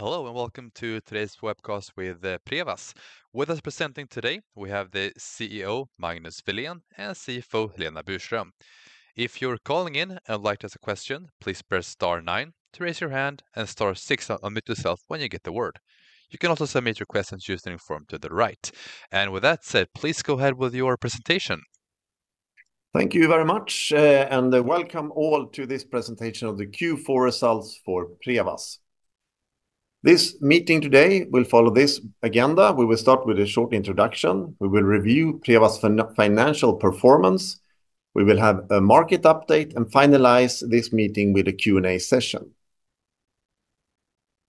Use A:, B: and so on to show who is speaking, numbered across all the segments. A: Hello and welcome to today's webcast with Prevas. With us presenting today, we have the CEO, Magnus Welén, and CFO, Helena Burström. If you're calling in and would like to ask a question, please press star nine to raise your hand and star 6 to unmute yourself when you get the floor. You can also submit your questions using the form to the right. With that said, please go ahead with your presentation.
B: Thank you very much, and welcome all to this presentation of the Q4 results for Prevas. This meeting today will follow this agenda. We will start with a short introduction. We will review Prevas financial performance. We will have a market update and finalize this meeting with a Q&A session.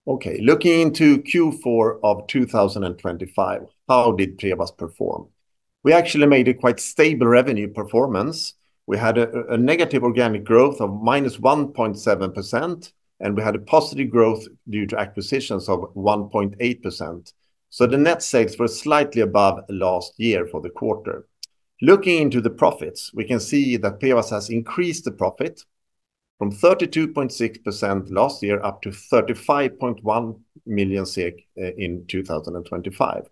B: Okay, looking into Q4 of 2025, how did Prevas perform? We actually made a quite stable revenue performance. We had a negative organic growth of -1.7%, and we had a positive growth due to acquisitions of 1.8%. So the net sales were slightly above last year for the quarter. Looking into the profits, we can see that Prevas has increased the profit from 32.6 million SEK last year up to 35.1 million SEK in 2025.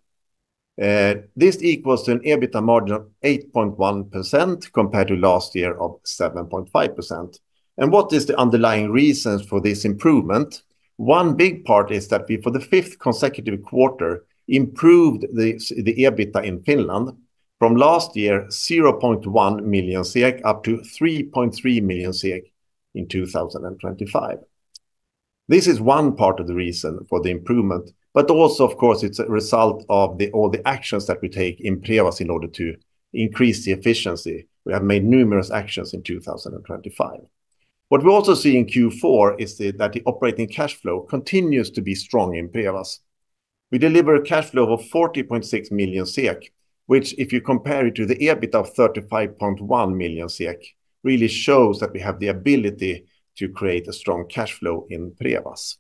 B: This equals to an EBITDA margin of 8.1% compared to last year of 7.5%. What is the underlying reason for this improvement? One big part is that we for the fifth consecutive quarter improved the EBITDA in Finland from last year 0.1 million up to 3.3 million in 2025. This is one part of the reason for the improvement, but also, of course, it's a result of all the actions that we take in Prevas in order to increase the efficiency. We have made numerous actions in 2025. What we also see in Q4 is that the operating cash flow continues to be strong in Prevas. We deliver a cash flow of 40.6 million SEK, which if you compare it to the EBITDA of 35.1 million SEK, really shows that we have the ability to create a strong cash flow in Prevas.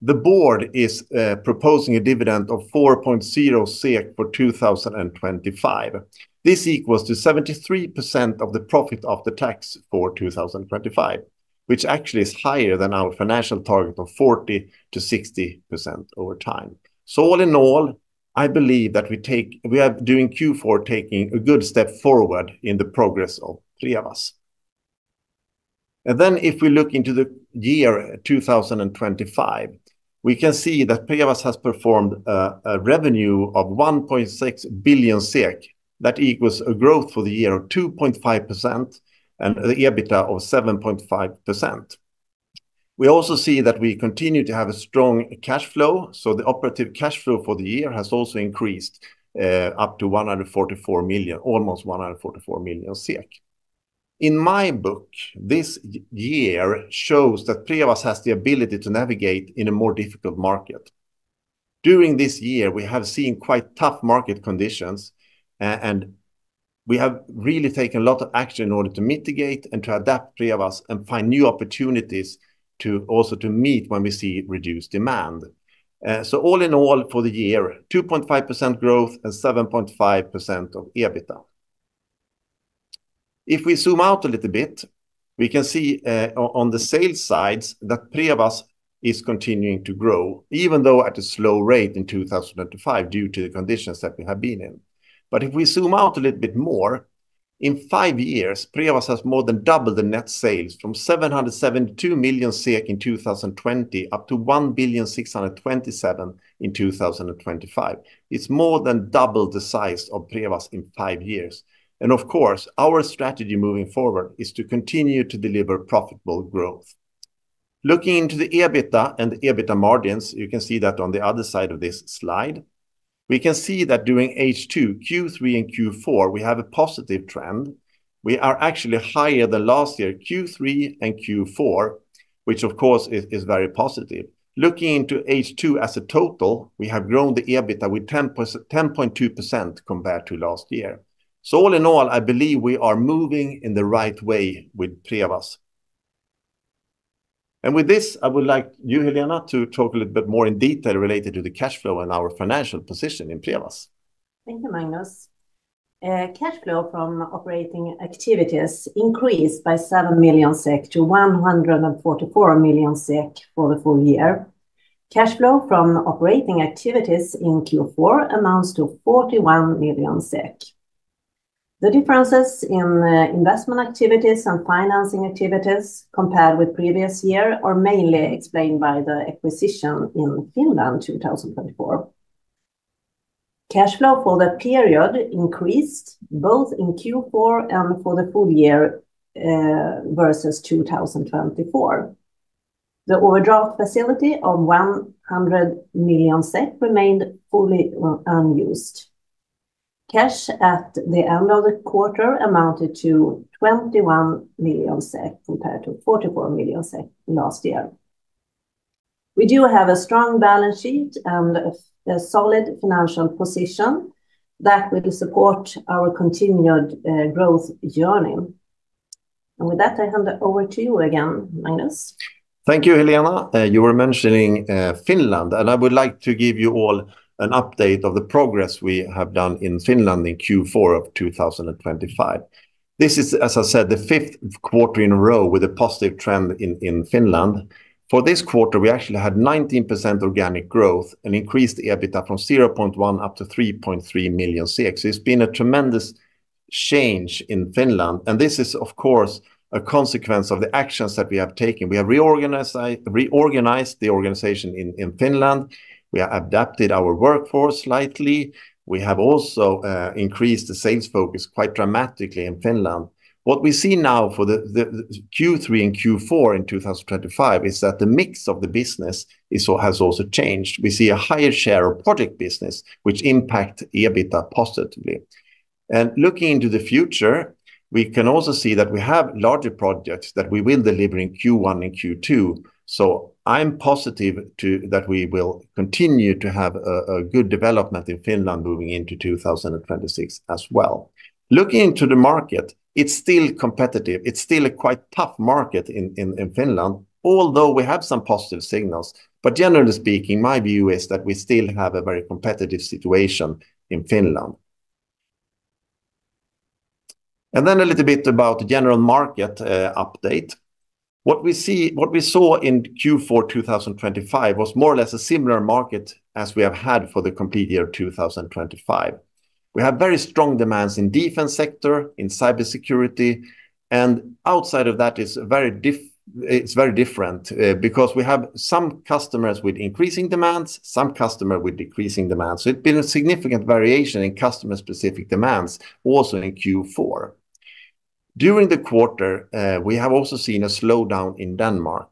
B: The board is proposing a dividend of 4.0 SEK for 2025. This equals 73% of the profit after tax for 2025, which actually is higher than our financial target of 40%-60% over time. So all in all, I believe that we are doing Q4 taking a good step forward in the progress of Prevas. And then if we look into the year 2025, we can see that Prevas has performed a revenue of 1.6 billion SEK. That equals a growth for the year of 2.5% and the EBITDA of 7.5%. We also see that we continue to have a strong cash flow, so the operative cash flow for the year has also increased up to 144 million, almost 144 million SEK. In my book, this year shows that Prevas has the ability to navigate in a more difficult market. During this year, we have seen quite tough market conditions, and we have really taken a lot of action in order to mitigate and to adapt Prevas and find new opportunities to also meet when we see reduced demand. So all in all for the year, 2.5% growth and 7.5% of EBITDA. If we zoom out a little bit, we can see on the sales sides that Prevas is continuing to grow, even though at a slow rate in 2025 due to the conditions that we have been in. But if we zoom out a little bit more, in five years, Prevas has more than doubled the net sales from 772 million SEK in 2020 up to 1,627 million in 2025. It's more than double the size of Prevas in five years. And of course, our strategy moving forward is to continue to deliver profitable growth. Looking into the EBITDA and the EBITDA margins, you can see that on the other side of this slide. We can see that doing H2, Q3, and Q4, we have a positive trend. We are actually higher than last year, Q3 and Q4, which of course is very positive. Looking into H2 as a total, we have grown the EBITDA with 10.2% compared to last year. So all in all, I believe we are moving in the right way with Prevas. And with this, I would like you, Helena, to talk a little bit more in detail related to the cash flow and our financial position in Prevas.
C: Thank you, Magnus. Cash flow from operating activities increased by 7 million SEK to 144 million SEK for the full year. Cash flow from operating activities in Q4 amounts to 41 million SEK. The differences in investment activities and financing activities compared with the previous year are mainly explained by the acquisition in Finland 2024. Cash flow for the period increased both in Q4 and for the full year versus 2024. The overdraft facility of 100 million SEK remained fully unused. Cash at the end of the quarter amounted to 21 million SEK compared to 44 million SEK last year. We do have a strong balance sheet and a solid financial position that will support our continued growth journey. And with that, I hand it over to you again, Magnus.
B: Thank you, Helena. You were mentioning Finland, and I would like to give you all an update of the progress we have done in Finland in Q4 of 2025. This is, as I said, the fifth quarter in a row with a positive trend in Finland. For this quarter, we actually had 19% organic growth, an increased EBITDA from 0.1 million up to 3.3 million. So it's been a tremendous change in Finland, and this is, of course, a consequence of the actions that we have taken. We have reorganized the organization in Finland. We have adapted our workforce slightly. We have also increased the sales focus quite dramatically in Finland. What we see now for Q3 and Q4 in 2025 is that the mix of the business has also changed. We see a higher share of project business, which impacts EBITDA positively. Looking into the future, we can also see that we have larger projects that we will deliver in Q1 and Q2. I'm positive that we will continue to have a good development in Finland moving into 2026 as well. Looking into the market, it's still competitive. It's still a quite tough market in Finland, although we have some positive signals. Generally speaking, my view is that we still have a very competitive situation in Finland. Then a little bit about the general market update. What we saw in Q4 2025 was more or less a similar market as we have had for the complete year 2025. We have very strong demands in the defense sector, in cybersecurity, and outside of that, it's very different because we have some customers with increasing demands, some customers with decreasing demands. So it's been a significant variation in customer-specific demands also in Q4. During the quarter, we have also seen a slowdown in Denmark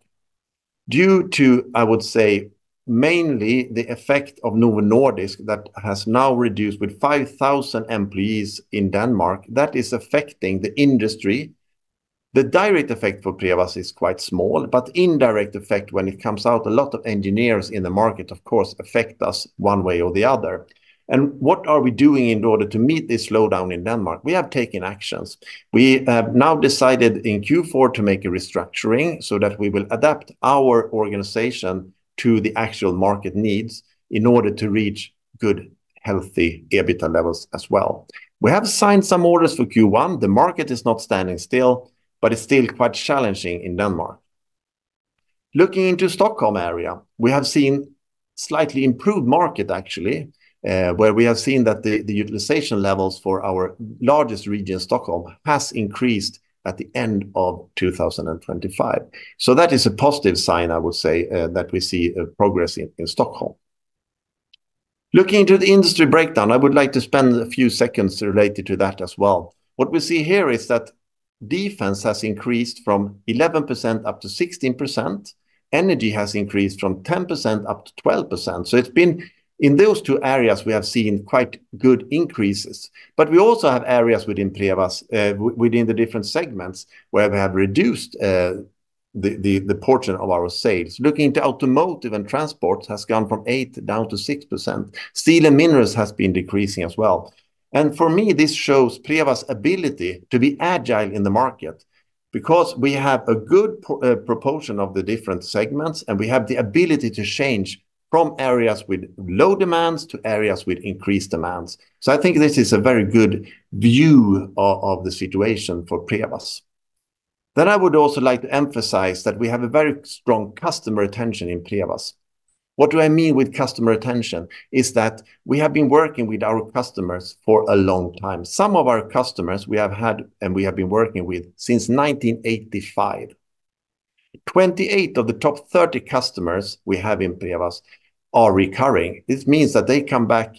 B: due to, I would say, mainly the effect of Novo Nordisk that has now reduced with 5,000 employees in Denmark that is affecting the industry. The direct effect for Prevas is quite small, but the indirect effect when it comes out, a lot of engineers in the market, of course, affect us one way or the other. And what are we doing in order to meet this slowdown in Denmark? We have taken actions. We have now decided in Q4 to make a restructuring so that we will adapt our organization to the actual market needs in order to reach good, healthy EBITDA levels as well. We have signed some orders for Q1. The market is not standing still, but it's still quite challenging in Denmark. Looking into the Stockholm area, we have seen a slightly improved market, actually, where we have seen that the utilization levels for our largest region, Stockholm, have increased at the end of 2025. So that is a positive sign, I would say, that we see progress in Stockholm. Looking into the industry breakdown, I would like to spend a few seconds related to that as well. What we see here is that defense has increased from 11% up to 16%. Energy has increased from 10% up to 12%. So it's been in those two areas we have seen quite good increases. But we also have areas within Prevas, within the different segments where we have reduced the portion of our sales. Looking into automotive and transport has gone from 8% down to 6%. Steel and minerals have been decreasing as well. For me, this shows Prevas's ability to be agile in the market because we have a good proportion of the different segments and we have the ability to change from areas with low demands to areas with increased demands. So I think this is a very good view of the situation for Prevas. Then I would also like to emphasize that we have a very strong customer retention in Prevas. What do I mean with customer retention? It's that we have been working with our customers for a long time. Some of our customers we have had and we have been working with since 1985. 28 of the top 30 customers we have in Prevas are recurring. This means that they come back.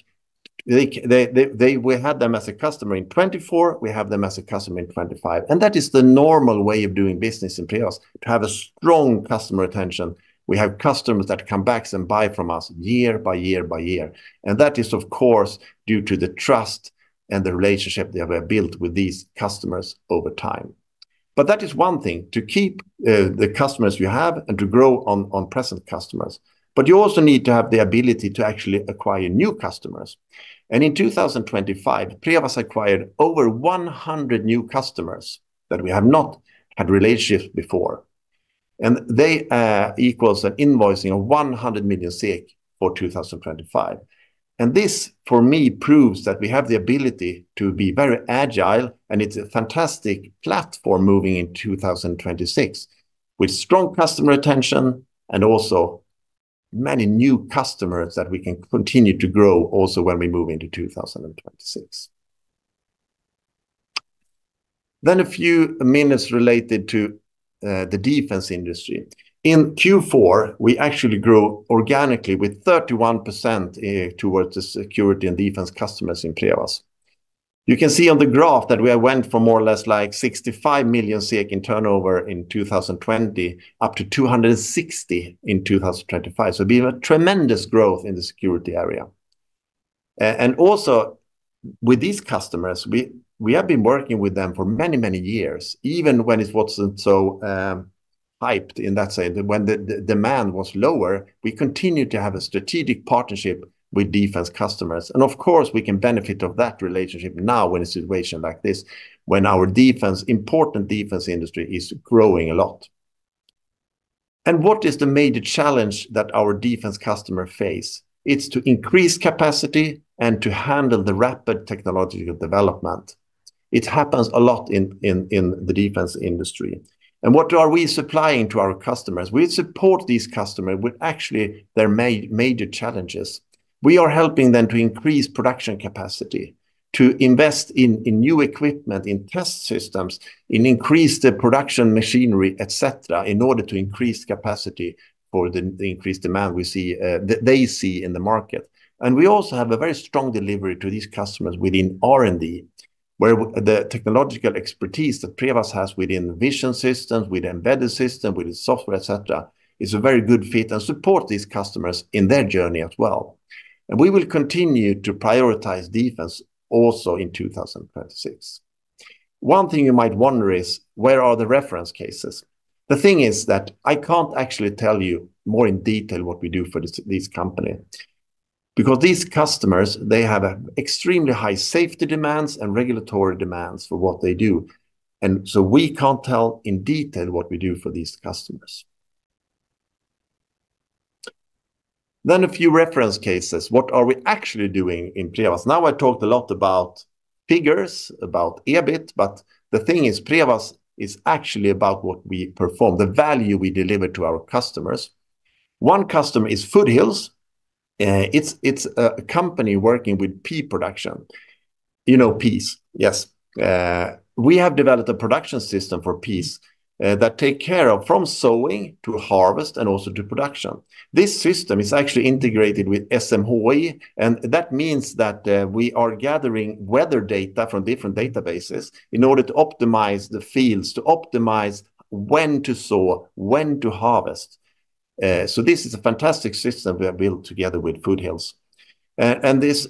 B: We had them as a customer in 2024. We have them as a customer in 2025. That is the normal way of doing business in Prevas, to have a strong customer retention. We have customers that come back and buy from us year by year by year. And that is, of course, due to the trust and the relationship that we have built with these customers over time. But that is one thing, to keep the customers you have and to grow on present customers. But you also need to have the ability to actually acquire new customers. And in 2025, Prevas acquired over 100 new customers that we have not had a relationship before. And that equals an invoicing of 100 million SEK for 2025. This for me proves that we have the ability to be very agile, and it's a fantastic platform moving into 2026 with strong customer retention and also many new customers that we can continue to grow also when we move into 2026. A few minutes related to the defense industry. In Q4, we actually grew organically with 31% towards the security and defense customers in Prevas. You can see on the graph that we went from more or less like 65 million SEK in turnover in 2020 up to 260 million in 2025. So it's been a tremendous growth in the security area. Also with these customers, we have been working with them for many, many years, even when it wasn't so hyped in that sense, when the demand was lower, we continued to have a strategic partnership with defense customers. Of course, we can benefit of that relationship now in a situation like this when our important defense industry is growing a lot. What is the major challenge that our defense customers face? It's to increase capacity and to handle the rapid technological development. It happens a lot in the defense industry. What are we supplying to our customers? We support these customers with actually their major challenges. We are helping them to increase production capacity, to invest in new equipment, in test systems, in increased production machinery, etc., in order to increase capacity for the increased demand we see that they see in the market. And we also have a very strong delivery to these customers within R&D, where the technological expertise that Prevas has within vision systems, with embedded systems, within software, etc., is a very good fit and supports these customers in their journey as well. And we will continue to prioritize defense also in 2026. One thing you might wonder is where are the reference cases? The thing is that I can't actually tell you more in detail what we do for this company because these customers, they have extremely high safety demands and regulatory demands for what they do. And so we can't tell in detail what we do for these customers. Then a few reference cases. What are we actually doing in Prevas? Now I talked a lot about figures, about EBIT, but the thing is Prevas is actually about what we perform, the value we deliver to our customers. One customer is Foodhills. It's a company working with pea production. You know peas, yes. We have developed a production system for peas that takes care of from sowing to harvest and also to production. This system is actually integrated with SMHI, and that means that we are gathering weather data from different databases in order to optimize the fields, to optimize when to sow, when to harvest. So this is a fantastic system we have built together with Foodhills. And this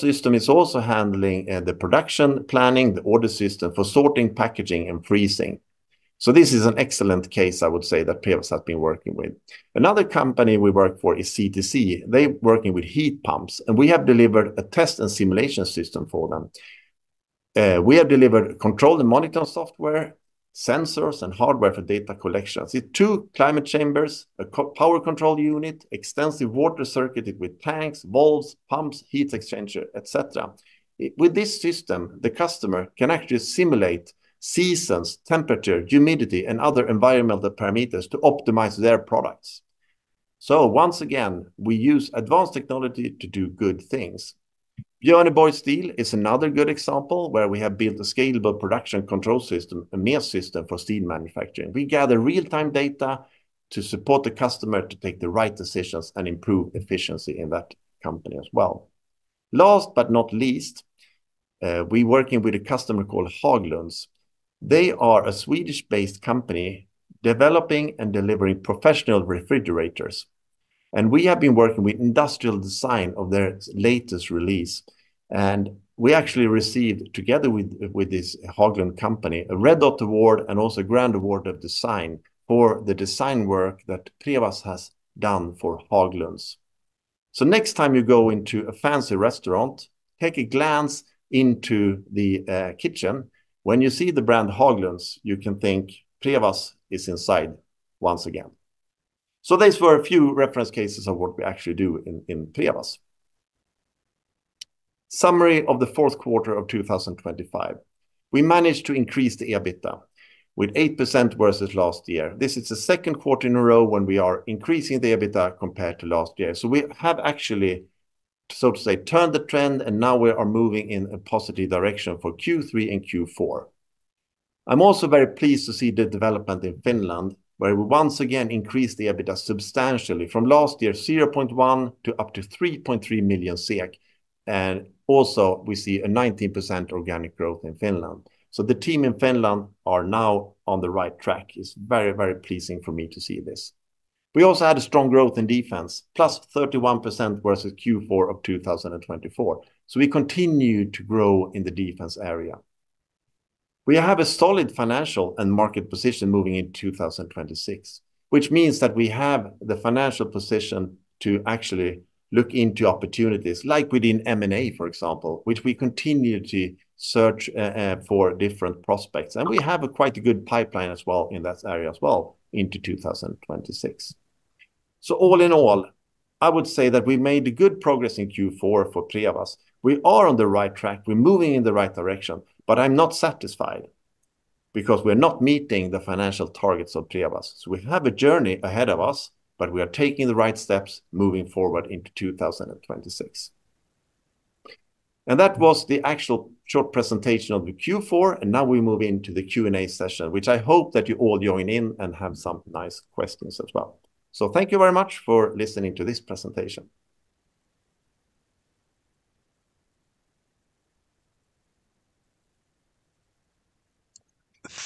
B: system is also handling the production planning, the order system for sorting, packaging, and freezing. So this is an excellent case, I would say, that Prevas has been working with. Another company we work for is CTC. They're working with heat pumps, and we have delivered a test and simulation system for them. We have delivered control and monitoring software, sensors, and hardware for data collection. It's two climate chambers, a power control unit, extensive water circuited with tanks, valves, pumps, heat exchanger, etc. With this system, the customer can actually simulate seasons, temperature, humidity, and other environmental parameters to optimize their products. So once again, we use advanced technology to do good things. Björneborg Steel is another good example where we have built a scalable production control system, an MES system for steel manufacturing. We gather real-time data to support the customer to take the right decisions and improve efficiency in that company as well. Last but not least, we're working with a customer called Haglunds. They are a Swedish-based company developing and delivering professional refrigerators. And we have been working with industrial design of their latest release. We actually received, together with this Haglunds company, a Red Dot Award and also a Grand Award of Design for the design work that Prevas has done for Haglunds. So next time you go into a fancy restaurant, take a glance into the kitchen. When you see the brand Haglunds, you can think Prevas is inside once again. So these were a few reference cases of what we actually do in Prevas. Summary of the fourth quarter of 2025. We managed to increase the EBITDA with 8% versus last year. This is the second quarter in a row when we are increasing the EBITDA compared to last year. So we have actually, so to say, turned the trend, and now we are moving in a positive direction for Q3 and Q4. I'm also very pleased to see the development in Finland where we once again increased the EBITDA substantially from last year, 0.1 million to 3.3 million SEK. We also see a 19% organic growth in Finland. So the team in Finland is now on the right track. It's very, very pleasing for me to see this. We also had a strong growth in defense, +31% versus Q4 of 2024. So we continue to grow in the defense area. We have a solid financial and market position moving into 2026, which means that we have the financial position to actually look into opportunities like within M&A, for example, which we continue to search for different prospects. We have a quite good pipeline as well in that area as well into 2026. So all in all, I would say that we made good progress in Q4 for Prevas. We are on the right track. We're moving in the right direction, but I'm not satisfied because we're not meeting the financial targets of Prevas. So we have a journey ahead of us, but we are taking the right steps moving forward into 2026. And that was the actual short presentation of the Q4. And now we move into the Q&A session, which I hope that you all join in and have some nice questions as well. So thank you very much for listening to this presentation.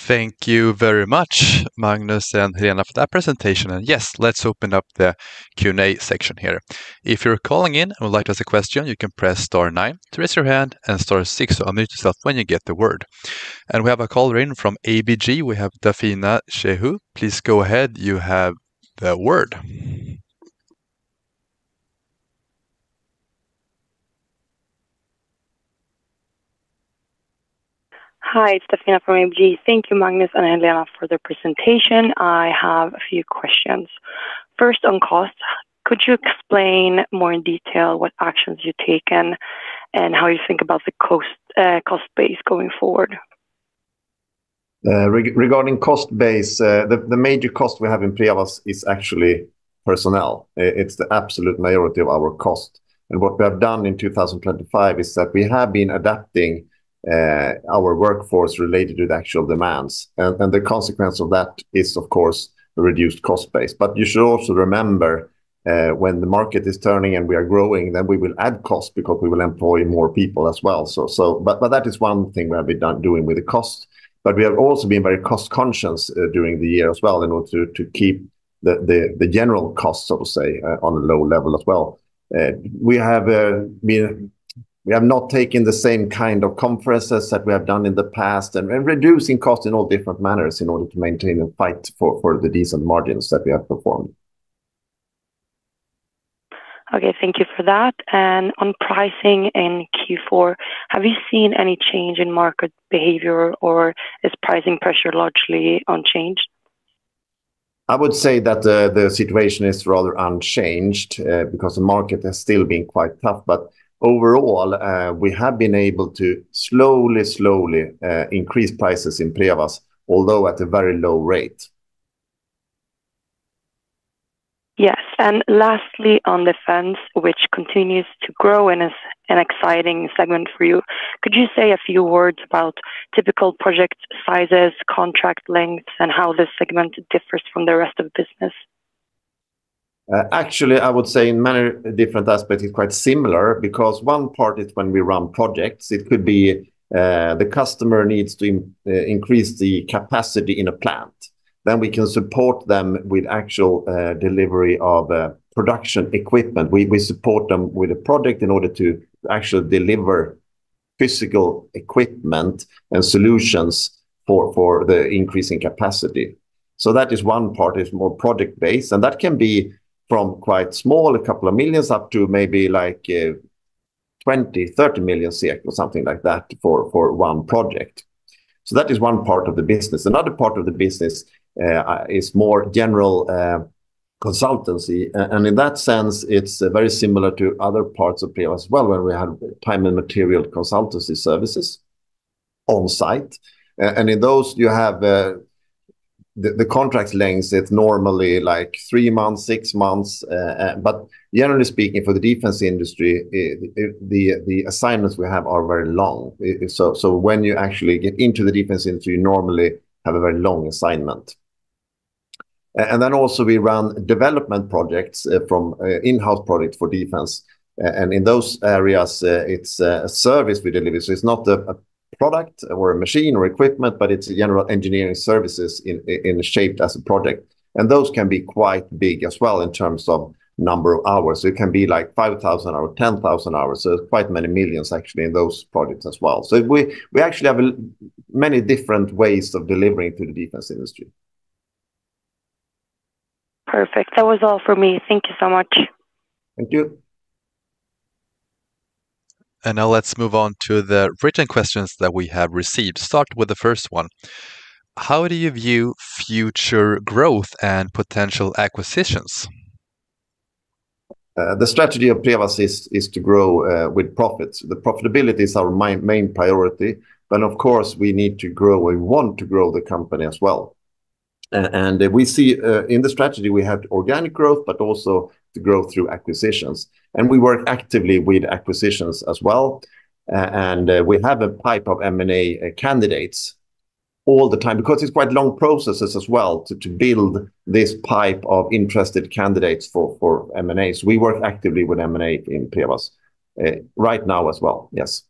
A: Thank you very much, Magnus and Helena, for that presentation. And yes, let's open up the Q&A section here. If you're calling in and would like to ask a question, you can press star nine to raise your hand and star six, so unmute yourself when you get the word. And we have a caller in from ABG. We have Dafina Shehu. Please go ahead. You have the word.
D: Hi, it's Dafina from ABG. Thank you, Magnus and Helena, for the presentation. I have a few questions. First, on cost, could you explain more in detail what actions you've taken and how you think about the cost base going forward?
B: Regarding cost base, the major cost we have in Prevas is actually personnel. It's the absolute majority of our cost. What we have done in 2025 is that we have been adapting our workforce related to the actual demands. The consequence of that is, of course, a reduced cost base. But you should also remember when the market is turning and we are growing, then we will add cost because we will employ more people as well. That is one thing we have been doing with the cost. We have also been very cost-conscious during the year as well in order to keep the general cost, so to say, on a low level as well. We have not taken the same kind of measures that we have done in the past and reducing costs in all different manners in order to maintain and fight for the decent margins that we have performed.
D: Okay, thank you for that. On pricing in Q4, have you seen any change in market behavior or is pricing pressure largely unchanged?
B: I would say that the situation is rather unchanged because the market has still been quite tough. But overall, we have been able to slowly, slowly increase prices in Prevas, although at a very low rate.
D: Yes. Lastly, on defense, which continues to grow and is an exciting segment for you, could you say a few words about typical project sizes, contract lengths, and how this segment differs from the rest of the business?
B: Actually, I would say in many different aspects, it's quite similar because one part is when we run projects. It could be the customer needs to increase the capacity in a plant. Then we can support them with actual delivery of production equipment. We support them with a project in order to actually deliver physical equipment and solutions for the increasing capacity. So that is one part is more project-based. And that can be from quite small, a couple of million SEK, up to maybe like 20 million-30 million SEK or something like that for one project. So that is one part of the business. Another part of the business is more general consultancy. And in that sense, it's very similar to other parts of Prevas as well when we had time and material consultancy services on site. And in those, you have the contract lengths; it's normally like three months, six months. But generally speaking, for the defense industry, the assignments we have are very long. So when you actually get into the defense industry, you normally have a very long assignment. And then also we run development projects, in-house projects for defense. And in those areas, it's a service we deliver. So it's not a product or a machine or equipment, but it's general engineering services shaped as a project. And those can be quite big as well in terms of number of hours. So it can be like 5,000 or 10,000 hours. So it's quite many millions, actually, in those projects as well. So we actually have many different ways of delivering to the defense industry.
D: Perfect. That was all for me. Thank you so much.
B: Thank you.
A: Now let's move on to the written questions that we have received. Start with the first one. How do you view future growth and potential acquisitions?
B: The strategy of Prevas is to grow with profits. The profitability is our main priority. But of course, we need to grow and want to grow the company as well. We see in the strategy, we have organic growth, but also to grow through acquisitions. We work actively with acquisitions as well. We have a pipe of M&A candidates all the time because it's quite long processes as well to build this pipe of interested candidates for M&A. We work actively with M&A in Prevas right now as well. Yes.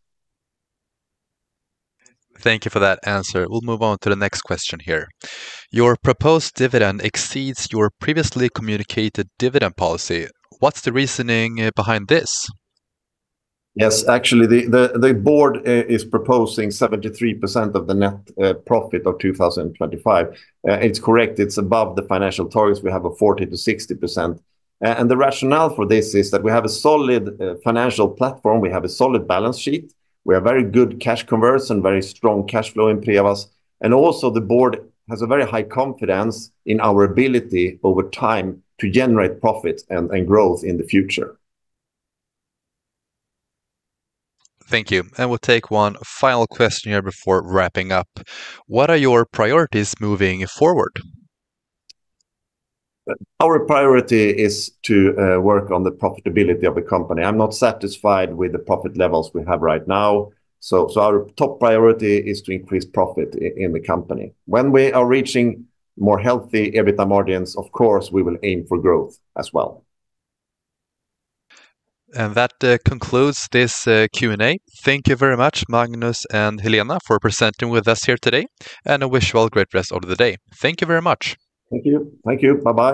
A: Thank you for that answer. We'll move on to the next question here. Your proposed dividend exceeds your previously communicated dividend policy. What's the reasoning behind this?
B: Yes, actually, the board is proposing 73% of the net profit of 2025. It's correct. It's above the financial targets. We have a 40%-60%. And the rationale for this is that we have a solid financial platform. We have a solid balance sheet. We have very good cash conversion, very strong cash flow in Prevas. And also the board has a very high confidence in our ability over time to generate profit and growth in the future.
A: Thank you. We'll take one final question here before wrapping up. What are your priorities moving forward?
B: Our priority is to work on the profitability of the company. I'm not satisfied with the profit levels we have right now. Our top priority is to increase profit in the company. When we are reaching more healthy EBITDA margins, of course, we will aim for growth as well.
A: That concludes this Q&A. Thank you very much, Magnus and Helena, for presenting with us here today. I wish you all a great rest of the day. Thank you very much.
B: Thank you. Thank you. Bye-bye.